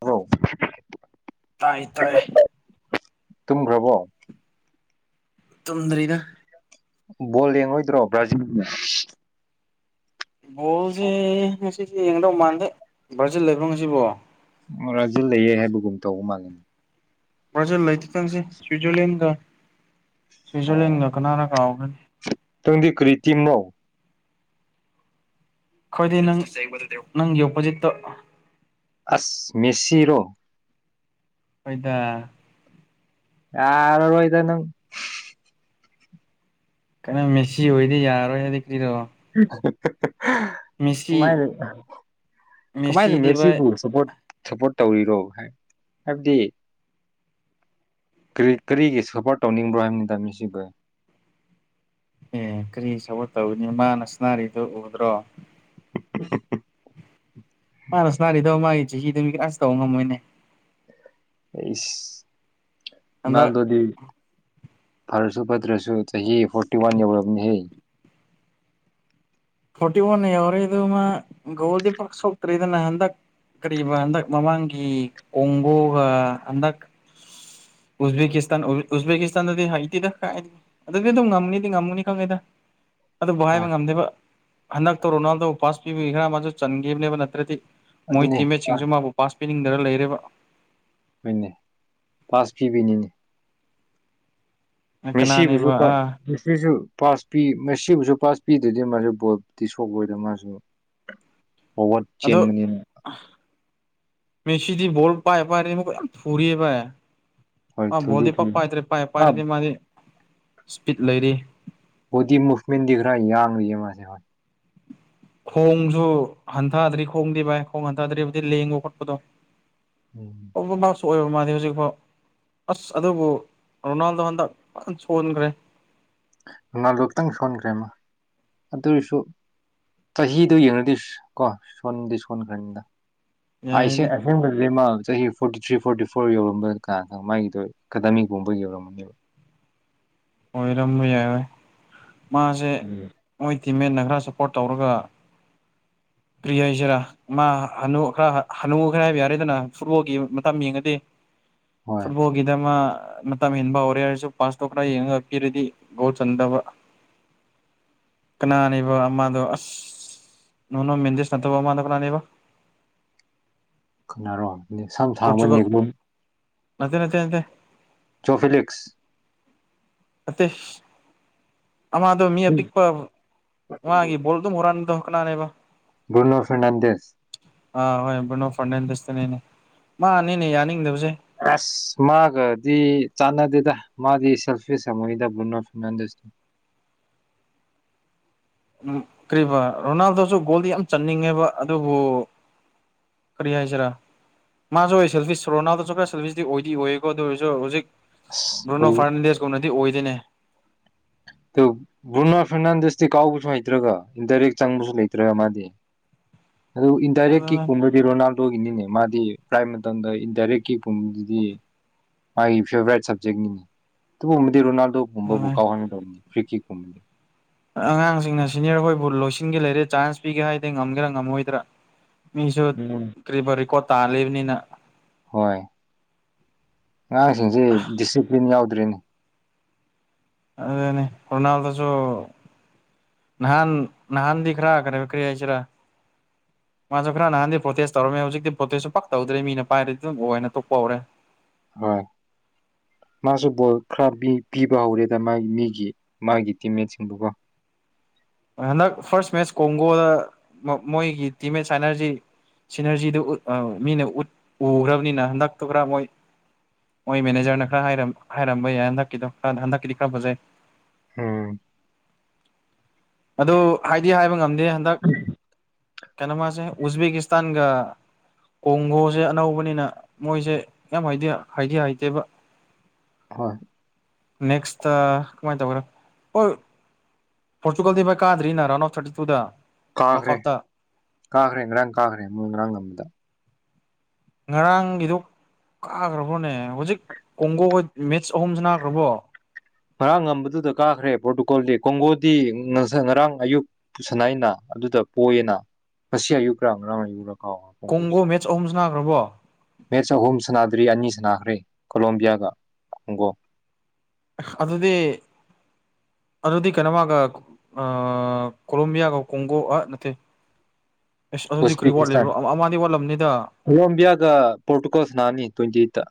꯭ꯔꯣ ꯇꯥꯏ ꯇ ꯇꯨꯝꯈ꯭ꯔꯕꯣ ꯇꯨꯝꯗ꯭ꯔꯤꯗ ꯕꯣꯜ ꯌꯦꯡꯉꯣꯏꯗ꯭ꯔꯣ ꯕ꯭ꯔꯥꯖꯤꯜꯒꯤ ꯕꯣꯜꯁꯦ ꯉꯁꯤꯁꯦ ꯌꯦꯡꯒꯗꯧ ꯃꯥꯟꯗꯦ ꯕ꯭ꯔꯥꯖꯤꯜ ꯂꯩꯕ꯭ꯔꯣ ꯉꯁꯤꯕꯣ ꯃꯣꯔꯥꯁꯤ ꯂꯩꯌꯦ ꯍꯥꯏꯕꯒꯨꯝ ꯇꯧꯕ ꯃꯥꯜꯂꯦꯅꯦ ꯕ꯭ꯔꯖꯜ ꯂꯩꯇꯇꯪꯁꯦ ꯁ꯭ꯋꯤꯖꯔꯂꯦꯟꯒ ꯁ꯭ꯋꯤꯖꯔꯂꯦꯟꯗ ꯀꯅꯥꯅ ꯀꯥꯥꯎꯒꯅꯤ ꯇꯨꯡꯗꯤ ꯀ꯭ꯔꯤ ꯇꯤꯝꯅꯣ ꯈꯣꯏꯗꯤ ꯅꯪꯕꯗꯨ ꯅꯪ ꯌꯣꯛꯄꯣꯖꯤꯠꯇꯣ ꯑꯁ ꯃꯦꯁꯤꯔꯣ ꯍꯣꯏꯗ ꯌꯥꯔꯔ ꯏꯗꯅ ꯀꯩꯅꯣ ꯃꯦꯁꯤ ꯑꯣꯏꯗꯤ ꯌꯥꯔꯔꯣꯏ ꯍꯥꯏꯗꯤ ꯀꯔꯤꯔꯣ ꯃꯦꯁꯤ ꯀꯃꯥꯏꯅ ꯀꯃꯥꯏꯅ ꯃꯦꯁꯤꯗꯤ ꯚꯥꯏ ꯃꯦꯁꯤꯕꯨ ꯁꯄꯣꯔꯠ ꯁꯞꯄꯣꯔꯠ ꯇꯧꯔꯤꯔꯣ ꯍꯥꯏꯕꯗꯤ ꯀꯔꯤꯒꯤ ꯁꯐꯔ ꯇꯧꯅꯤꯡꯕ꯭ꯔꯣ ꯍꯥꯏꯕꯅꯤ ꯇꯥꯃꯤꯁꯤꯕ ꯑꯦ ꯀꯔꯤ ꯁꯒꯠ ꯇꯧꯅꯤ ꯃꯥꯅ ꯁꯅꯥꯔꯤꯗꯨꯣ ꯎꯗ꯭ꯔꯣ ꯎ ꯆꯍꯤ ꯑꯗꯨꯃꯤ ꯀ ꯑꯥꯁ ꯇꯧꯕ ꯉꯝꯃꯣꯏꯅꯦ ꯑꯩ ꯍꯟꯗꯛ ꯎꯜꯗꯗꯤ ꯐꯥꯔꯁꯨ ꯐꯗ꯭ꯔꯁꯨ ꯆꯍꯤ ꯐꯣꯔꯇꯤ ꯋꯥꯟ ꯌꯧꯔꯕꯅꯤ ꯐꯣꯔꯇꯤ ꯋꯥꯟ ꯌꯎꯔ ꯑꯗꯨ ꯃꯥ ꯒꯗꯤ ꯄꯛꯁ ꯍꯇꯔꯤ ꯑꯗꯨ ꯅꯟꯗ ꯀꯔꯤꯕ ꯍꯟꯗꯛ ꯃꯃꯥꯡꯒꯤ ꯀꯣꯡꯒꯣꯒ ꯍꯟꯗꯛ ꯎꯖꯕꯦꯀꯤꯁꯇꯥꯟ ꯎꯖꯕꯦꯀꯤꯁꯇꯥꯟꯗꯗꯤ ꯍꯩꯇꯤꯗꯥꯏ ꯑꯗꯨꯗꯤ ꯑꯗꯨꯝ ꯉꯝꯅꯤꯗꯤ ꯉꯝꯃꯨꯅꯤ ꯈꯪꯉꯦꯗ [unintelligible] ꯑꯗꯨꯕꯨ ꯍꯥꯏꯕ ꯉꯝꯗꯦꯕ ꯍꯟꯗꯛꯇ ꯔꯣꯅꯥꯜꯗ ꯄꯥꯁ ꯄꯤꯕꯒꯤ ꯈꯔ ꯃꯥꯁꯨ ꯆꯟꯈꯤꯕꯅꯦꯕ ꯅꯠꯇ꯭ꯔꯗꯤ ꯃꯣꯏ ꯑꯗꯨꯅꯦ ꯇꯤꯝꯃꯦꯠꯁꯤꯡꯁꯨ ꯃꯥꯕꯨ ꯄꯥꯁ ꯄꯤꯅꯤꯡꯗꯅ ꯂꯩꯔꯦꯕ ꯍꯣꯏꯅꯦ ꯄꯥꯁ ꯐꯤꯕꯤꯅꯤꯅꯦ ꯃꯤꯁꯤꯕꯨꯁꯨ ꯀꯅꯥꯅꯦꯕ ꯑꯥ ꯇꯁꯤꯁꯨ ꯄꯥꯁ ꯄꯤ ꯁꯤꯕꯨꯁꯨ ꯄꯥꯁ ꯄꯤꯗꯗꯤ ꯃꯥꯁꯨ ꯕꯣꯞꯇꯤ ꯁꯣꯛꯑꯣꯣꯏꯗ ꯃꯥꯁꯨ ꯍꯋꯥꯠ ꯑꯗꯣ ꯆꯦꯟꯕꯅꯤꯅ ꯃꯦꯁꯤꯗꯤ ꯣꯜ ꯄꯥꯏ ꯄꯥꯏ ꯐꯔꯤ ꯍꯣꯏ ꯄꯥꯏ ꯊꯨꯗꯤ ꯚꯣꯂꯤ ꯄꯥꯛ ꯊꯨꯏ ꯄꯥꯏꯗ꯭ꯔꯦ ꯄꯥꯏ ꯃꯥ ꯄꯥꯏꯔꯗꯤ ꯃꯥꯗꯤ ꯏꯁꯄꯤꯠ ꯂꯩꯔꯤ ꯑꯣꯗꯤ ꯃꯨꯚꯃꯦꯟ ꯔ ꯌꯥꯥꯡ ꯃꯥꯦ ꯍ ꯈꯣꯡꯁꯨ ꯍꯟꯊꯗ꯭ꯔꯤ ꯈꯣꯡꯗꯤ ꯚꯥꯏ ꯈꯣꯡ ꯍꯟꯊꯗ꯭ꯔꯤꯕꯕꯨꯗꯤ ꯂꯦꯡꯕꯣ ꯈꯣꯠꯄꯗꯣ ꯎꯝ ꯑꯣꯕꯔꯃꯥꯛꯁꯨ ꯑꯣꯏꯕ ꯃꯥꯜꯂꯤ ꯍꯧꯖꯤꯛꯐꯥꯎ ꯑꯁ ꯑꯗꯨꯕꯨ ꯔꯣꯅꯥꯜꯗꯣ ꯍꯟꯗꯛ ꯁꯣꯟꯈ꯭ꯔꯦ ꯅꯥꯗꯛꯇꯪ ꯁꯣꯟꯈ꯭ꯔꯦꯃ ꯑꯗꯨ ꯑꯣꯏꯔꯁꯨ ꯆꯍꯤꯗꯨꯣ ꯌꯦꯡꯉꯨꯗꯣꯏ ꯀꯣ ꯁꯣꯟꯗꯤ ꯁꯣꯟꯈ꯭ꯔꯅꯤꯗ ꯑꯁ ꯌꯥꯏꯗ ꯑꯁꯤ ꯂꯩ ꯃꯥ ꯆꯍꯤ ꯐꯣꯔꯇꯤ ꯊ꯭ꯔꯤ ꯐꯣꯔꯇꯤ ꯐꯣꯔ ꯌꯧꯔꯝꯕ ꯀꯥ ꯃꯥꯒꯤꯗꯣ ꯑꯦꯀꯥꯗꯥꯃꯤꯒꯨꯝꯕ ꯌꯧꯔꯝꯃꯅꯦꯕ ꯑꯣꯏꯔꯝꯕ ꯌꯥꯏꯔꯣꯏ ꯃꯥꯁꯦ ꯎꯝ ꯇꯤꯃꯦꯠꯟꯅ ꯈꯔ ꯁꯞꯄꯣꯔꯠ ꯇꯧꯔꯒ ꯄ꯭ꯔꯤ ꯍꯥꯏꯁꯤꯔꯥ ꯃꯥ ꯍꯅꯨ ꯈꯔ ꯍꯅꯨ ꯈꯔ ꯍꯥꯏꯕ ꯌꯥꯔꯦꯗꯅ ꯐꯨꯠꯕꯣꯜꯒꯤ ꯃꯇꯝ ꯌꯦꯡꯉꯗꯤ ꯍꯣꯏ ꯐꯨꯠꯕꯣꯜꯗꯃ ꯃꯇꯝ ꯍꯕ ꯍꯧꯔꯦ ꯍꯥꯏꯁꯨ ꯄꯥꯁ ꯇꯀ꯭ꯔꯥ ꯌꯦꯡꯉꯞꯄꯤꯔꯗꯤ ꯣ ꯆꯟꯗꯕ ꯀꯅꯥꯅꯦꯕꯣ ꯑꯃꯗꯣ ꯑꯁ ꯅꯣꯏꯅ ꯃꯦꯗꯤꯁ ꯅꯠꯇꯕ ꯃꯥꯥꯟꯅ ꯀꯅꯥꯅꯤꯕ ꯈꯅꯔꯣ ꯅꯦꯛ ꯁꯝ ꯊꯥꯡꯕ ꯅꯦꯛꯝ ꯅꯠꯇꯦ ꯅꯠꯇꯦ ꯅꯠꯇ ꯆꯣꯐꯂꯛꯁ ꯑ ꯑꯃꯗꯣ ꯃꯤ ꯑꯄꯤꯛꯄ ꯃꯥꯒꯤ ꯕꯣꯜ ꯑꯗꯨꯝ ꯍꯨꯔꯥꯟꯗ ꯀꯅꯥꯅꯦꯕ ꯅꯣ ꯐꯦꯔꯅꯥꯗꯁ ꯑꯥ ꯍꯣꯏꯅꯣ ꯐꯔꯗꯇꯅꯦ ꯃꯥꯅꯤꯅꯦ ꯌꯥꯅꯤꯡꯗꯕ ꯑꯁ ꯃꯥꯒꯗꯤ ꯆꯥꯟꯅꯗꯦꯗ ꯃꯥꯗꯤ ꯁꯜꯐꯦꯨꯍꯤꯗ ꯣ ꯐꯗꯁ ꯎꯝ ꯀꯔꯤꯕ ꯔꯣꯅꯥꯜꯗꯣꯁꯨ ꯒꯣꯜꯗ ꯌꯥꯝ ꯆꯟꯅꯤꯡꯉꯦꯕ ꯑꯗꯨꯕꯨ ꯀꯔꯤ ꯍꯥꯏꯏ ꯁꯔꯥ ꯃꯥꯁꯨ ꯑꯣꯏ ꯁꯦꯜꯐꯤ ꯁꯣꯔꯣꯅꯥꯗꯁꯨ ꯈ ꯁꯦꯜꯐꯤꯗꯤ ꯑꯣꯏꯗꯤ ꯑꯣꯏꯌꯦꯀꯣ ꯑꯗꯨ ꯑꯣꯏꯔꯁꯨ ꯍꯧꯖꯤꯛ ꯔꯣꯅꯣ ꯐꯥꯔꯅꯥꯟꯗꯦꯁꯀꯨꯝꯅꯗꯤ ꯑꯣꯏꯗꯣꯏꯅꯦ ꯑꯗꯨ ꯕ꯭ꯔꯨꯅꯥ ꯐꯦꯔꯅꯥꯟꯗꯁꯇꯤ ꯀꯥꯎꯕꯁꯨ ꯍꯩꯇ꯭ꯔꯒ ꯏꯟꯗꯥꯏꯔꯦꯛ ꯆꯪꯕꯁꯨ ꯂꯩꯇ꯭ꯔꯒ ꯃꯥꯗꯤ ꯑꯗꯨ ꯏꯟꯗꯥꯏꯔꯦꯛ ꯑꯗꯨꯅ ꯀꯤꯛꯀꯨꯝꯕꯗꯤ ꯔꯣꯅꯥꯜꯗꯣꯒꯤꯅꯤꯅꯦ ꯃꯥꯗꯤ ꯗꯤ ꯄ꯭ꯔꯥꯏ ꯃꯇꯝꯗ ꯏꯟꯇꯏꯔꯦꯀꯤꯤ ꯄꯗꯨꯗꯤ ꯥꯏ ꯐꯦꯕꯦ ꯁ ꯔꯣꯅꯥꯜꯣ ꯒꯨꯝꯕꯕꯨ ꯑꯗꯨꯅꯦ ꯀꯥꯎꯍꯟꯅꯗꯧꯔꯤꯅꯤ ꯐ꯭ꯤꯀꯤ ꯀꯨꯝꯗꯤ ꯑꯉꯥꯡꯁꯤꯡꯅ ꯁꯤꯅꯤꯌꯔ ꯑꯩꯈꯣꯏꯕꯨ ꯂꯣꯏꯁꯤꯟꯒꯦ ꯂꯩꯔꯦ ꯆꯥꯟꯁ ꯄꯤꯒꯦ ꯍꯥꯏꯗꯤ ꯉꯝꯒꯦꯔꯥ ꯉꯝꯃꯣꯏꯗ꯭ꯔꯥ ꯃꯤꯁꯨ ꯎꯝ ꯀ ꯔꯦꯀꯣꯔꯠ ꯇꯥ ꯂꯩꯕꯅꯤꯅ ꯍꯣꯏ ꯑꯉꯥꯡꯁꯤꯡꯁꯤ ꯗꯤꯁꯤꯄ꯭ꯂꯤꯟ ꯌꯥꯎꯗ꯭ꯔꯤꯅꯤ ꯑꯗꯨꯅꯤ ꯔꯣꯅꯥꯜꯗꯣꯁꯨ ꯅꯍꯥꯟ ꯅꯍꯥꯟꯗꯤ ꯈꯔ ꯈꯔꯦꯈꯔꯤ ꯌꯥꯁꯤꯔ ꯃꯥꯁꯨ ꯈꯔ ꯅꯍꯥꯟꯗꯤ ꯄ꯭ꯔꯣꯇꯦꯁ ꯇꯧꯔꯝꯃꯦ ꯍꯧꯖꯤꯛꯇꯤ ꯄ꯭ꯔꯣꯇꯦꯁꯁꯨ ꯄꯛ ꯇꯧꯗ꯭ꯔꯦ ꯃꯤꯅ ꯄꯥꯏꯔꯗꯤ ꯑꯗꯨꯝ ꯑꯣꯏꯅ ꯇꯣꯛꯄ ꯍꯧꯔꯦ ꯍꯣꯏ [unintelligible] ꯃꯥꯁꯨ ꯕꯣꯜ ꯈꯔ ꯄꯤꯕ ꯍꯧꯔꯦꯗ ꯃꯥꯒꯤ ꯃꯤꯒꯤ ꯃꯥꯒꯤ ꯇꯤꯝꯃꯦꯠꯁꯤꯡꯗꯨꯀꯣ ꯍꯟꯗꯛ ꯐꯥꯔꯁ ꯃꯦꯠꯆ ꯀꯣꯡꯒꯣꯗ ꯃꯣꯏꯒꯤ ꯇꯤꯝꯃꯦꯠ ꯁꯥꯏꯅꯔꯁꯤ ꯁꯤꯅꯔꯖꯤꯗꯨ ꯃꯤꯅ ꯎ ꯎꯈ꯭ꯔꯕꯅꯤꯅ ꯍꯟꯗꯛꯇꯣ ꯈꯔ ꯃꯣꯏ ꯍꯣꯏ ꯃꯦꯅꯦꯖꯔꯅ ꯈꯔ ꯍꯥꯏꯔꯝꯕ ꯌꯥꯏ ꯍꯟꯗꯛꯀꯤꯗꯣ ꯈꯔ ꯍꯟꯗꯛꯀꯤꯗꯤ ꯈꯔ ꯐꯖꯩ ꯍꯝ ꯑꯗ ꯍꯥꯏꯗꯤ ꯍꯥꯏꯕ ꯉꯝꯗꯦ ꯍꯟꯗꯛ ꯀꯩꯅꯣ ꯃꯥꯁꯦ ꯎꯖꯕꯦꯛ ꯃ ꯇꯒ ꯀꯣꯡꯒꯣꯁꯦ ꯑꯅꯧꯕꯅꯤꯅ ꯃꯣꯏꯁꯦ ꯌꯥꯝ ꯍꯥꯏꯗꯤ ꯍꯥꯏꯇꯦꯕ ꯍꯣꯏ ꯅꯦꯛꯁ ꯀꯃꯥꯏ ꯇꯒ꯭ꯔꯣ ꯄꯣꯔꯆꯨꯒꯜꯗꯤꯚ ꯀꯥꯗ꯭ꯔꯤꯅ ꯔꯟ ꯑꯣꯐ ꯊꯥꯔꯇꯤ ꯇꯨꯗ ꯀꯥꯈ꯭ꯔꯦ ꯅꯣꯛꯑꯥꯎꯠꯇ ꯀꯥꯈ꯭ꯔꯦ ꯉꯔꯥꯡ ꯀꯥꯈ꯭ꯔꯦ ꯑꯃꯨꯛ ꯉꯔꯥꯡ ꯉꯝꯕꯗ ꯉꯔꯥꯡꯒꯤꯗꯨꯣ ꯀꯥꯈ꯭ꯔꯕ꯭ꯔꯣꯅꯦ ꯍꯧꯖꯤꯛ ꯀꯣꯡꯒꯣꯒ ꯑꯍꯨꯝꯁ ꯅꯥꯈ꯭ꯔꯕꯣ ꯉꯔꯥꯡ ꯉꯝꯕꯗꯨꯗ ꯀꯥꯈ꯭ꯔꯦ ꯄꯣꯔꯇꯨꯒꯣꯜꯗꯤ ꯀꯣꯡꯒꯣꯗꯤ ꯉꯔꯥꯡ ꯑꯌꯨꯛ ꯁꯅꯥꯏꯅ ꯑꯗꯨꯗ ꯄꯣꯏꯌꯦꯅ ꯉꯁꯤ ꯑꯌꯨꯛꯀ ꯉꯔꯥꯡ ꯑꯌꯨꯔꯛ ꯀꯣꯡꯒꯣ ꯃꯦꯠꯁ ꯑꯍꯨꯝ ꯁꯅꯥꯈ꯭ꯔꯕꯣ ꯃꯦ ꯆ ꯍ ꯁꯅꯥꯗ ꯗ꯭ꯔꯤ ꯑꯅꯤ ꯁꯅꯥꯈ꯭ꯔꯦ ꯀꯣꯂꯣꯝꯕꯤꯌꯥꯒ ꯍꯣꯡꯒꯣ ꯑꯗꯨꯗꯤ ꯑꯗꯨꯗꯤ ꯀꯩꯅꯣꯃꯒ ꯀꯣꯂꯣꯝꯕꯤꯌꯥꯒ ꯀꯣꯡꯒꯣ ꯑ ꯅꯠꯇꯦ ꯑꯁ ꯑꯗꯨꯗꯤ ꯀꯔꯤ ꯋꯥꯠꯂꯤꯕ꯭ꯔꯣ ꯑꯃꯗꯤꯗꯤ ꯋꯥꯠꯂꯝꯅꯤꯗ ꯀꯂꯝꯕꯌꯥꯒ ꯄꯣꯔꯇꯨꯒꯜꯁ ꯅꯅꯤ ꯇ꯭ꯋꯦꯟꯇꯤ ꯑꯩꯠꯠꯇ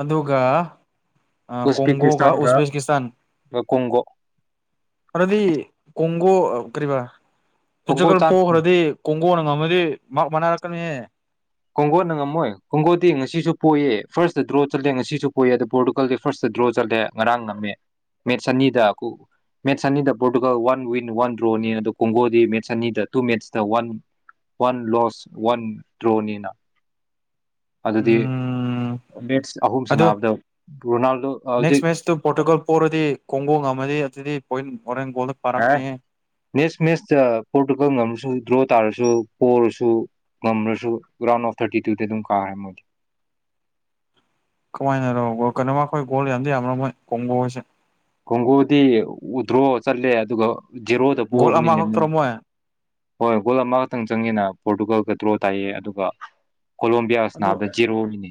ꯑꯗꯨꯒ ꯑ ꯀꯣꯣꯡꯒꯣꯒ ꯎꯁꯕꯦꯀꯤꯁꯇꯥꯟꯒ ꯀꯣꯡꯒꯣ ꯎꯖꯦꯀꯤꯁꯇꯥꯟꯗꯤ ꯀꯣꯡꯒꯣ ꯀꯔꯤꯕ ꯀꯣꯡꯒꯣ ꯄꯨꯆꯀꯜ ꯆꯥꯟꯁ ꯄꯣꯛꯈ꯭ꯔꯗꯤ ꯀꯣꯡꯒꯣꯅ ꯉꯝꯃꯗꯤ ꯃꯥ ꯃꯅꯥꯛꯄ ꯀꯃꯤ ꯀꯣꯡꯒꯣꯅ ꯉꯝꯃꯣꯏ ꯀꯣꯡꯒꯣꯗꯤ ꯉꯁꯤꯁꯨ ꯄꯣꯌꯦꯦ ꯐꯥꯔꯁꯇ ꯗ꯭ꯔꯣ ꯆꯠꯂꯦ ꯉꯁꯤꯁꯨ ꯄꯣꯏꯌꯦ ꯑꯗ ꯄꯣꯔꯇꯨꯒꯜꯗꯤ ꯐꯥꯔꯁꯇ ꯗ꯭ꯔꯣ ꯆꯠꯂꯦ ꯉꯔꯥꯡ ꯅ ꯃꯦꯠ ꯆꯅꯤꯗ ꯃꯦꯠꯁ ꯑꯅꯤꯗ ꯄꯣꯔꯇꯨꯒꯜ ꯋꯥꯟ ꯋꯤꯟ ꯋꯥꯟ ꯗ꯭ꯔꯣꯅꯤ ꯑꯗꯣ ꯀꯣꯡꯒꯣꯗꯤ ꯃꯦꯠꯁ ꯑꯅꯤꯗ ꯇꯨ ꯃꯦꯠꯁꯇ ꯋꯥꯟ ꯋꯥꯟ ꯂꯣꯁ ꯋꯥꯟ ꯗ꯭ꯔꯣꯅꯤꯅ ꯑꯗꯤ ꯎꯝ ꯑꯗꯣ ꯔꯣꯅꯥꯜꯗꯣ ꯍꯧꯖꯤꯛ ꯅꯦꯛꯁ ꯃꯦꯆꯇꯨ ꯄꯣꯔꯇꯨꯒꯜ ꯄꯣꯛꯔꯗꯤ ꯀꯣꯡꯒꯣꯡ ꯑꯃꯗꯤ ꯑꯗꯨꯗꯤ ꯄꯣꯏꯟ ꯍꯣꯔꯦꯟ ꯒꯣꯜꯗ ꯑ ꯄꯥꯔꯛꯀꯅꯤꯍꯦ ꯃꯦꯁ ꯃꯦꯁ ꯄꯣꯀꯁꯨ ꯗ꯭ꯔꯣ ꯇꯔ ꯁ ꯀꯔꯁꯨ ꯉꯝ꯭ꯔꯁꯨ ꯔꯔꯥꯎꯟ ꯑꯣꯐ ꯊꯥꯔꯇꯤ ꯇꯨꯗꯤ ꯑꯗꯨꯝ ꯀꯥꯈ꯭ꯔꯦ ꯃꯣꯏꯗꯤ ꯀꯃꯥꯏꯅꯔꯣꯣ ꯀꯩꯅꯣꯃ ꯑꯩꯈꯣꯏ ꯒꯣꯜ ꯌꯥꯝꯗꯤ ꯌꯥꯝꯔꯝꯃꯣꯏ ꯀꯣꯡꯕ ꯍꯥꯏꯁꯦ ꯈꯣꯡꯒꯨꯗꯤ ꯎꯗ꯭ꯔꯣ ꯆꯠꯂꯦ ꯑꯗꯨꯒ ꯖꯦꯔꯣꯗ ꯒꯣꯜ ꯄꯣꯛꯑꯕꯅꯤꯅꯦ ꯃ ꯑꯃꯈꯛꯇꯔꯣ ꯃꯣꯏ ꯍꯣꯏ ꯒꯣꯜ ꯑꯃꯈꯛꯇꯪ ꯆꯪꯉꯦꯅ ꯄꯣꯔꯇꯨꯒꯥꯜꯒ ꯗ꯭ꯔꯣ ꯇꯥꯏꯌꯦ ꯑꯗꯨꯒ ꯑꯗꯨ ꯀꯂꯂꯦꯝꯕꯤꯌꯥꯅꯗ ꯖꯤꯔꯣꯃꯤꯅꯤ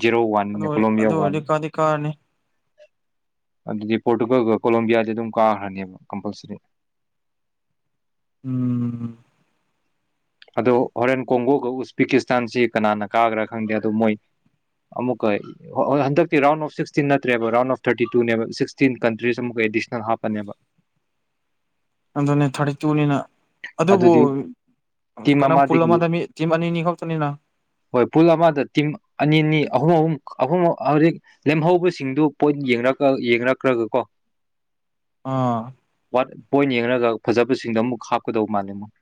ꯖꯤꯦꯔꯣ ꯋꯥꯟ ꯑꯗꯨ ꯑꯣꯏ ꯀꯣꯂꯣꯕꯤꯌ ꯑꯗꯨ ꯋꯥꯟ ꯑꯣꯏꯔꯗꯤ ꯀꯥꯗꯤ ꯀꯥꯔꯅꯤ ꯑꯗꯨꯗꯤ ꯄꯣꯔꯇꯨꯒꯜꯒ ꯀꯣꯂꯣꯕꯤꯌꯥꯗꯤ ꯑꯗꯨꯝ ꯀꯥꯈ꯭ꯔꯅꯦꯕ ꯀꯝꯄꯜꯁꯔꯤ ꯎꯝ ꯑꯗꯣ ꯍꯣꯔꯦꯟ ꯀꯣꯡꯒꯣꯒ ꯎꯁꯄꯦꯀꯤꯁꯇꯥꯟꯁꯤ ꯀꯅꯥꯅ ꯀꯥꯈ꯭ꯔꯥ ꯈꯪꯗꯦ ꯑꯗꯣ ꯃꯣꯏ ꯑꯃꯨꯛꯀ ꯍꯟꯗꯛꯇꯤ ꯔꯥꯎꯟ ꯑꯣꯐ ꯁꯤꯛꯁꯇꯤꯟ ꯅꯠꯇ꯭ꯔꯦꯕ ꯔꯥꯎꯟ ꯑꯣꯐ ꯊꯥꯔꯇꯤ ꯇꯨꯅꯦꯕ ꯁꯤꯛꯁꯇꯤꯟ ꯀꯟꯇ꯭ꯔꯤꯁ ꯑꯃꯨꯛ ꯑꯦꯗꯤꯁꯅꯦꯜ ꯍꯥꯞꯄꯅꯦꯕ ꯑꯗꯨꯅꯦ ꯊꯥꯔꯇ ꯇꯨꯅꯤꯅ ꯑꯗꯨꯕꯨ ꯑꯗꯨꯗꯤ ꯇꯤꯝ ꯀꯩꯅꯣ ꯄꯨꯜ ꯑꯃꯗꯒꯤ ꯑꯃꯗ ꯃꯤ ꯇꯤꯝ ꯑꯅꯤ ꯑꯅꯤ ꯈꯛꯇꯅꯤꯅ ꯍꯣꯏ ꯄꯨꯜ ꯑꯃꯗ ꯇꯤꯝ ꯑꯅꯤ ꯑꯅꯤ ꯑꯍꯨꯝ ꯑꯍꯨꯝ ꯑꯍꯨꯝ ꯍꯧꯖꯤꯛ ꯂꯦꯝꯍꯧꯕꯁꯤꯡꯗꯨ ꯄꯣꯏꯠ ꯌꯦꯡꯅꯛꯈ꯭ꯔꯒꯀꯣ ꯑꯥ ꯄꯣꯏꯟ ꯌꯦꯡꯉꯒ ꯐꯖꯕꯁꯤꯡꯗꯣ ꯑꯃꯨꯛ ꯍꯥꯞꯀꯗꯧꯕ ꯃꯥꯜꯂꯦ ꯑꯃꯨꯛ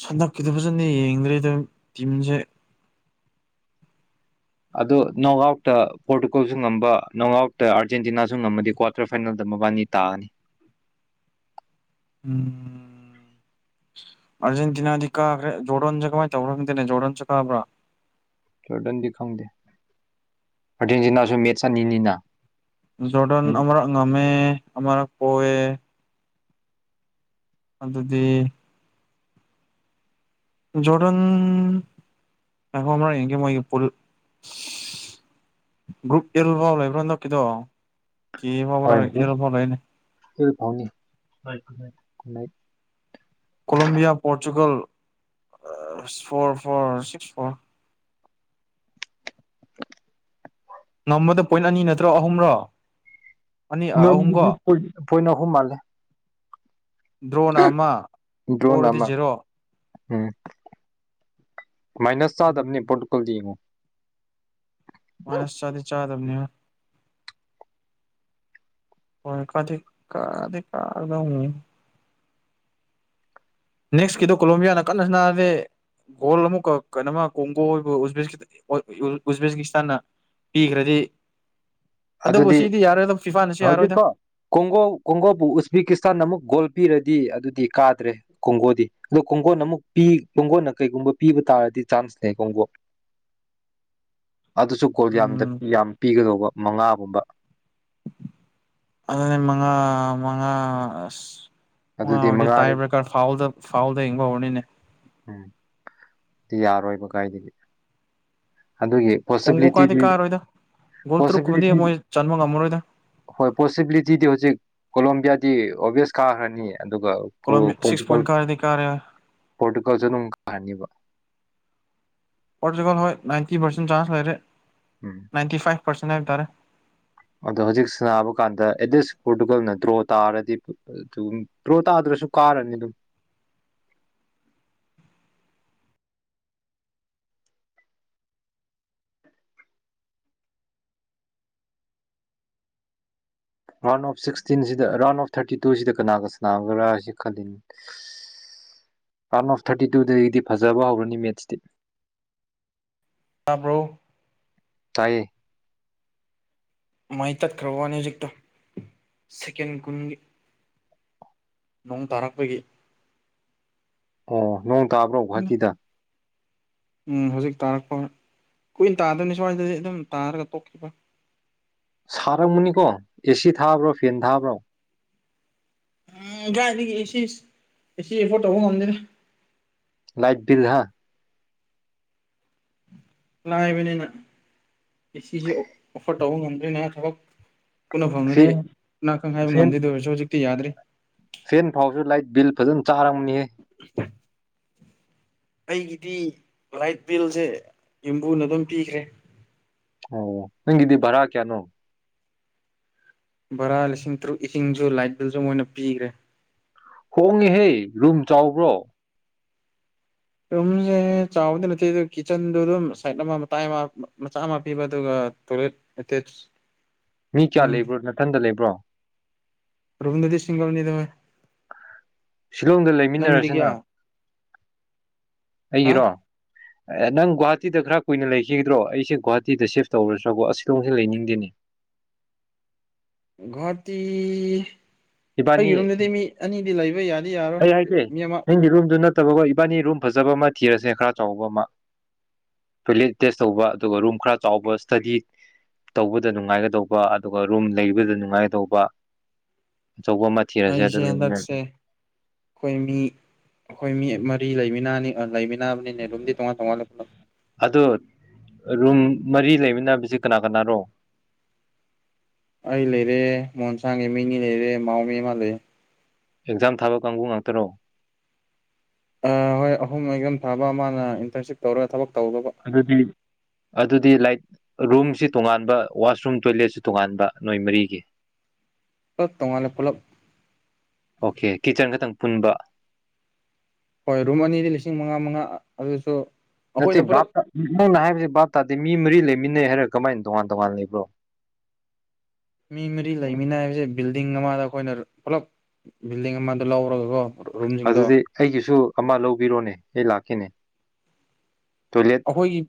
ꯁꯟꯗꯛꯀꯤꯗ ꯐꯖꯅ ꯌꯦꯡꯗ꯭ꯔꯦꯗ ꯇꯤꯝꯁꯦ ꯑꯗꯣ ꯅꯣꯡ ꯑꯥꯎꯠꯇ ꯄꯣꯔꯇꯨꯒꯜꯁꯨ ꯉꯝꯕ ꯅꯣꯡ ꯑꯥꯎꯠꯇ ꯑꯥꯔꯖꯦꯟꯇꯤꯅꯥꯁꯨ ꯉꯝꯃꯗꯤ ꯀ꯭ꯋꯥꯔꯇꯔ ꯐꯥꯏꯅꯦꯜꯗ ꯃꯕꯥꯅꯤ ꯇꯥꯅꯤ ꯎꯝ ꯑꯔꯖꯦꯟꯇꯤꯅꯥꯗꯤ ꯀꯥꯈ꯭ꯔꯦ ꯖꯣꯔꯣꯟꯟ ꯆ ꯀꯃꯥꯏ ꯇꯔꯗꯅꯦ ꯖꯣꯔꯣꯟ ꯆ ꯀꯥꯕ꯭ꯔꯥ ꯣꯔꯗꯟꯗꯤ ꯈꯪꯗꯦ ꯑꯥꯔꯖꯦꯟꯇꯤꯅꯥꯁꯨ ꯃꯦꯠꯁ ꯑꯅꯤꯅꯤꯅ ꯖꯣꯔꯗꯦꯟ ꯎꯝ ꯑꯃꯔ ꯉꯃꯦ ꯑꯃꯔ ꯀꯣꯑꯦ ꯑꯗꯨ ꯑꯗꯨꯗꯤ ꯖꯣꯔꯦꯟ ꯑꯣ ꯑꯃꯔ ꯌꯦꯡ ꯃ ꯄꯨ ꯭ꯔꯨꯞ ꯑꯦꯜ ꯐꯥꯎ ꯂꯩꯕ꯭ꯔꯥ ꯅ ꯅꯣ ꯀꯦꯗꯣ ꯀ ꯐꯥꯎꯕ꯭ꯔꯥ ꯑꯦꯔ ꯐꯥꯎ ꯂꯩꯅꯦ ꯐ ꯐꯥꯎꯅꯤ Colombia Portugal four four six four ꯅꯝꯕꯗ ꯄꯣꯏꯟ ꯑꯅꯤ ꯅꯠꯇ꯭ꯔꯣ ꯑꯍꯨꯝꯔꯣ ꯑꯅꯤ ꯅꯝꯕꯨꯒꯤꯣꯏ ꯑꯍꯨꯝꯀꯣ ꯄꯣꯏꯅꯍꯨꯝ ꯃꯥꯜꯂꯦ ꯗ꯭ꯔꯣꯟ ꯑꯃ ꯗ꯭ꯔꯣꯅ ꯑꯣꯏꯔꯗꯤ ꯑꯃ ꯖꯔꯣ ꯎꯝ ꯃꯥꯏꯅꯁ ꯆꯥꯗꯕꯅꯦ ꯎꯝ ꯄꯣꯔꯇꯨꯀꯣꯜꯗꯤ ꯌꯦꯡꯉꯣ ꯃꯥꯅꯁ ꯆꯗꯤ ꯆꯥꯗꯕꯅꯤ ꯍꯣꯏ ꯀꯗꯤ ꯀꯗꯤ ꯀꯗ ꯅꯦꯛꯁꯀꯤꯗꯣ ꯀꯣꯂꯣꯝꯕꯤꯌꯥꯅ ꯀꯟꯅ ꯁꯅꯥꯁꯦ ꯒꯣꯜ ꯑꯃꯨꯛꯀ ꯀꯩꯅꯃ ꯀꯣꯡꯒꯣꯕ ꯎꯖꯕꯦꯀꯤꯁꯇꯥꯟꯅ ꯄꯤꯈ꯭ꯔꯗꯤ ꯑꯗꯨꯕꯨ ꯑꯗꯨꯗꯤ ꯁꯤꯗꯤ ꯌꯥꯔꯣꯏꯗ ꯐꯤꯐꯥꯅꯁꯨ ꯌꯥꯔꯣꯏꯗ ꯍꯧꯖꯤꯛꯀꯣ ꯀꯣꯡꯒꯣ ꯀꯣꯡꯒꯣꯕꯨ ꯎꯖꯕꯤꯀꯤꯁꯇꯥꯟꯅ ꯑꯃꯨꯛ ꯒꯣꯜ ꯄꯤꯔ ꯗꯤ ꯑꯗꯨꯗꯤ ꯀꯥꯗ꯭ꯔꯦ ꯀꯣꯡꯒꯣꯜꯗꯤ ꯑꯗꯨꯣ ꯀꯣꯡꯒꯣꯟꯅ ꯑꯃꯨꯛꯤ ꯀꯣꯡꯒꯣꯟꯅ ꯀꯩꯒꯨꯝꯕ ꯄꯤꯕ ꯇꯥꯔꯗꯤ ꯁꯣꯡꯒꯣ [unintelligible] ꯑꯗꯨꯁꯨ ꯀꯣꯜ ꯌꯥꯝꯅ ꯎꯝ ꯌꯥꯝ ꯄꯤꯒꯗꯧꯕ ꯃꯉꯥꯒꯨꯝꯕ ꯑꯗꯨ ꯃꯉꯥ ꯃꯉ ꯑꯗꯨꯗꯤ ꯑꯗꯤ ꯃꯉꯥꯗꯤ ꯇꯥꯏꯕ꯭ꯔꯦꯀꯔ ꯐꯥꯎꯗ ꯐꯥꯎꯜꯗ ꯍꯤꯡꯕ ꯍꯧꯔꯅꯤꯅꯦ ꯎꯝ ꯑꯗꯨ ꯌꯥꯔꯣꯏꯕ ꯀꯥꯏꯗꯗꯤ ꯑꯗꯨꯒꯤ ꯀꯣꯡꯒꯣ ꯀꯥꯗꯤ ꯄꯣꯁꯤꯕꯤꯂꯤꯇꯤꯗꯤ ꯀꯥꯔꯣꯏꯗ ꯒꯣꯜ ꯇꯔꯨꯛꯀꯨꯝꯕꯗꯤ ꯄꯣꯁꯤꯕꯤꯂꯤꯇꯤ ꯃꯣꯏ ꯆꯟꯕ ꯉꯝꯃꯔꯣꯏꯗ ꯍꯣꯏ ꯄꯣꯁꯤꯕꯤꯂꯤꯇꯤꯗꯤ ꯍꯧꯖꯤꯛ ꯀꯣꯂꯣꯕꯤꯌꯥꯗꯤ ꯑꯣꯕꯦꯁꯀꯥꯔ꯭ꯔꯅꯤꯌꯦ ꯑꯗꯨꯒ ꯀꯣꯂꯝꯕꯤ ꯁꯤꯛꯁ ꯄꯣꯔꯇꯨꯒꯜ ꯄꯣꯏꯟ ꯀꯥꯔꯗꯤ ꯀꯥꯔꯦ ꯄꯣꯔꯇꯨꯀꯜꯁꯨ ꯑꯗꯨꯝ ꯀꯥꯍꯅꯤꯕ ꯄꯣꯔꯇꯨꯒꯥꯜ ꯍꯣꯏ ꯅꯥꯏꯟꯇꯤ ꯄꯥꯔꯁꯦꯟ ꯆꯥꯟꯁ ꯂꯩꯔꯦ ꯎꯝ ꯅꯥꯏꯟꯇꯤ ꯐꯥꯏꯚ ꯄꯥꯔꯁꯦꯟ ꯍꯥꯏꯕ ꯇꯥꯔꯦ ꯑꯗꯣ ꯍꯧꯖꯤꯛ ꯁꯕ ꯀꯥꯟꯗ ꯑꯦꯗꯤꯁ ꯄꯣꯔꯇꯨꯒꯜꯅ ꯗ꯭ꯔꯣ ꯇꯥꯔꯗꯤ ꯗ꯭ꯔꯣ ꯇꯥ ꯄꯁꯨ ꯀꯥꯔꯅꯤ ꯑꯗꯨ [unintelligible] ꯔꯥꯎꯟ ꯑꯣꯐ ꯁꯤꯛꯁꯇꯤꯟꯁꯤꯗ ꯔꯥꯎꯟ ꯑꯣꯐ ꯊꯥꯔꯇꯤ ꯇꯨꯁꯤꯗ ꯀꯅꯥꯒ ꯁꯥꯟꯅꯥꯒꯗ꯭ꯔꯥ ꯍꯥꯏꯁꯤ ꯈꯜꯂꯤ [unintelligible] ꯔꯟ ꯑꯣꯐ ꯊꯥꯔꯇꯤ ꯇꯨꯗꯒꯤꯗꯤ ꯐꯖꯕ ꯍꯧꯔꯅꯤ ꯃꯦꯠꯁꯇꯤ [unintelligible] ꯇꯥꯏꯌꯦ ꯃꯥꯏ ꯇꯠꯈ꯭ꯔꯕꯅꯤ ꯍꯧꯖꯤꯛꯇꯣ ꯁꯦꯀꯦꯟ ꯀꯨꯟꯒꯤ ꯅꯣꯡ ꯇꯔꯥꯐ ꯂꯩ ꯑꯣ ꯅꯣꯡ ꯇꯥꯕ꯭ꯔꯣ ꯒꯤꯍꯥꯇꯤꯗ ꯎꯝ ꯍꯧꯖꯤꯛ ꯇꯥꯔꯛꯄ ꯀꯨꯏꯅ ꯇꯥꯗꯣꯏꯅꯤ ꯁ꯭ꯋꯥꯏꯗꯗꯤ ꯑꯗꯨꯝ ꯇꯥꯔꯒ ꯇꯣꯛꯈꯤꯕ ꯁꯔꯝꯅꯤꯀꯣ ꯑꯦꯁꯤ ꯊꯥꯕ꯭ꯔꯣ ꯐꯦꯟ ꯊꯥꯕ꯭ꯔꯣ ꯎꯝ ꯀꯥꯏꯗꯒꯤ ꯑꯦꯁꯤ ꯑꯦꯁꯤ ꯑꯦꯐꯣꯔꯠ ꯇꯧꯕ ꯉꯝꯗꯦꯔ ꯂꯥꯏꯠ ꯂꯥꯏꯕꯅꯤꯅ ꯑꯦꯁꯤꯁꯦ ꯑꯣꯐꯔ ꯇꯧꯕ ꯉꯝꯗ꯭ꯣꯏꯅꯦ ꯊꯕꯛ ꯎꯠꯅ ꯐꯦꯟ ꯐꯪꯉꯗꯤꯅꯥꯀꯪ ꯍꯥꯏꯕ ꯐꯦꯟ ꯉꯝꯗꯦꯗ ꯑꯣꯏꯔꯁꯨ ꯍꯧꯖꯤꯛꯇꯤ ꯌꯥꯗ꯭ꯔꯤ ꯐꯦꯟ ꯐꯥꯎꯁꯨ ꯂꯥꯏꯠ ꯕꯤꯜ ꯐꯖꯅ ꯆꯥꯔꯝꯅꯤꯌꯦ ꯑꯩꯒꯤꯗꯤ ꯂꯥꯏꯠ ꯕꯤꯜꯁꯦ ꯌꯨꯝꯕꯨꯅ ꯑꯗꯨꯝ ꯄꯤꯈ꯭ꯔꯦ ꯑꯣ ꯅꯪ ꯏꯗꯤ ꯚꯔꯥ ꯀꯌꯥꯅꯣ ꯚꯔꯥ ꯂꯤꯁꯤꯡ ꯇꯔꯨꯛ ꯏꯁꯤꯡꯁꯨ ꯂꯥꯏꯠ ꯕꯤꯜꯁꯨ ꯃꯣꯏꯅ ꯄꯤꯈ꯭ꯔꯦ ꯍꯣꯡꯉꯦꯍꯦ ꯔꯨꯝ ꯆꯥꯎꯕ꯭ꯔꯣ ꯔꯨꯝꯁꯦ ꯆꯥꯎꯕꯗꯤ ꯅꯠꯇꯦ ꯑꯗꯨ ꯀꯤꯠꯆꯟꯗ ꯑꯗꯨꯝ ꯁꯥꯏꯠ ꯑꯃ ꯃꯇꯥꯏ ꯑꯃ ꯃꯆꯥ ꯑꯃ ꯄꯤꯕ ꯑꯗꯨꯒ ꯇꯣꯏꯂꯦ ꯑꯦꯇ ꯃꯤ ꯀꯌꯥ ꯂꯩꯕ꯭ꯔꯣ ꯅꯥꯊꯟꯗ ꯂꯩꯕ꯭ꯔꯣ ꯔꯕꯤꯗ꯭ꯔꯖꯤ ꯁꯤꯁꯤꯡꯒꯅꯤꯗꯃꯦ ꯁꯤꯂꯣꯡꯗ ꯂꯩꯃꯤꯟꯅꯔꯁꯤꯅ ꯍꯥ ꯑꯩꯒꯤꯔꯣ ꯑꯦ ꯅꯪ ꯒꯨꯍꯥꯇꯤꯗ ꯈꯔ ꯀꯨꯏꯅ ꯂꯩꯈꯤꯒꯗ꯭ꯔꯣ ꯑꯩꯁꯦ ꯒꯨꯍꯥꯇꯤꯗ ꯁꯤꯐ ꯇꯧꯔꯠꯇ꯭ꯔꯥꯕꯣ ꯑꯁꯤꯗꯣꯁꯨ ꯂꯩꯅꯤꯡꯗꯦꯅꯦ [unintelligible] ꯒꯨꯍꯥꯇꯤ ꯑꯩꯒꯤ ꯔꯨꯝꯗꯗꯤ ꯃꯤ ꯑꯅꯤꯗꯤ ꯂꯩꯕ ꯌꯥꯅꯤ ꯐꯩ ꯍꯥꯏꯁꯦ ꯅꯪꯒꯤ ꯔꯨꯝꯗꯨ ꯅ ꯐꯠꯇꯕꯈꯣ ꯏꯕꯥꯅꯤ ꯔꯨꯝ ꯐꯖꯕ ꯑꯃ ꯊꯤꯔꯁꯦ ꯈꯔ ꯆꯥꯎꯕ ꯑꯃ ꯇꯣꯏꯂꯦꯠ ꯇꯦꯁ ꯇꯧꯕ ꯑꯗꯨꯒ ꯔꯨꯝ ꯈꯔ ꯆꯥꯎꯕ ꯏꯁꯇꯗꯤ ꯇꯧꯕꯗ ꯅꯨꯡꯉꯥꯏꯒꯗꯧꯕ ꯑꯗꯨꯒ ꯔꯨꯝ ꯂꯩꯕꯗ ꯅꯨꯡꯉꯥꯏꯒꯗꯧꯕ ꯑꯆꯧꯕ ꯑꯃ ꯊꯤꯔꯁꯦ ꯑꯩꯁꯦ ꯍꯟꯗꯛꯁꯦ ꯑꯗꯨꯃꯤꯟꯅꯔꯦ ꯑꯩꯈꯣꯏ ꯃꯤ ꯑꯩꯈꯣꯏ ꯃꯤ ꯃꯔꯤ ꯂꯩꯃꯤꯟꯅꯅꯤ ꯂꯩꯃꯤ ꯔꯝꯗꯤ ꯇꯣꯡꯉ ꯇꯣꯡꯉꯂꯦꯂꯣ ꯑꯗꯣ ꯔꯨꯝ ꯃꯔꯤ ꯂꯩꯃꯤꯟꯅꯅꯕꯁ ꯀꯅꯥ ꯀꯅꯥꯅꯣ ꯑꯩ ꯂꯩꯔꯦ ꯃꯣꯟꯁꯥꯡꯒꯤ ꯃꯤꯅꯤ ꯂꯩꯔꯦ ꯃꯥꯎ ꯃꯤꯃ ꯂꯩ ꯑꯦꯛꯖꯥꯝ ꯊꯥꯕ ꯀꯥꯡꯕꯨ ꯉꯥꯛꯇꯅꯣ ꯍꯣꯏ ꯑꯍꯨꯝ ꯃꯨꯝꯝ ꯊꯥꯕ ꯃꯥꯅ ꯏꯟꯇꯔꯟꯁꯤꯞ ꯇꯧꯔꯒ ꯊꯕꯛ ꯇꯧꯗꯧꯕ ꯑꯗꯨꯗꯗꯤ ꯑꯗꯨꯗꯤ ꯂꯥꯏꯠ ꯔꯨꯝꯁꯤ ꯇꯣꯉꯥꯟꯕ ꯋꯥꯁꯔꯨꯝ ꯇꯣꯏꯂꯦꯠꯁꯤ ꯇꯣꯉꯥꯟꯕ ꯅꯣꯏ ꯃꯔꯤꯒꯤ [unintelligible] ꯇꯣꯡꯉꯥꯜꯂꯦ ꯄꯨꯂꯞ ꯑꯣꯀꯦ ꯀꯤꯆꯟ ꯈꯇꯪ ꯑꯄꯨꯟꯕ ꯍꯣꯏ ꯔꯨꯝ ꯑꯅꯤꯗꯤ ꯂꯤꯁꯤꯡ ꯃꯉꯥ ꯃꯉꯥ ꯑꯗꯨꯁꯨ ꯅꯠꯇꯦ ꯑꯩꯈꯣꯏꯅ ꯄꯨꯂꯞ ꯕꯥꯞꯅ ꯍꯥꯏꯕꯁꯤ ꯕꯥꯞ ꯇꯥꯗꯦ ꯃꯤ ꯃꯔꯤ ꯂꯩ ꯃꯤꯅꯩ ꯍꯥꯏꯔ ꯀꯃꯥꯏꯅ ꯇꯣꯉꯥꯟ ꯇꯣꯉꯥꯟ ꯂꯩꯕ꯭ꯔꯣ ꯃꯤ ꯃꯔꯤ ꯂꯩꯃꯤꯅ ꯍꯥꯏꯕꯁꯦ ꯕꯤꯜꯗꯤꯡ ꯑꯃꯗ ꯑꯩꯈꯣꯏꯅ ꯄꯨꯂꯞ ꯕꯤꯜꯗꯤꯡ ꯑꯃꯗ ꯂꯧꯔꯒꯀꯣ ꯔꯨꯝꯁꯤꯡꯗꯣ ꯑꯗꯨꯗꯤ ꯑꯩꯒꯤꯁꯨ ꯑꯃ ꯂꯧꯕꯤꯔꯣꯅꯦ ꯑꯩ ꯂꯥꯛꯈꯤꯅꯦ ꯑꯩꯈꯣꯏꯒꯤ